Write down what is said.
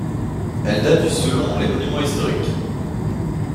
Elle date du selon les Monuments historiques.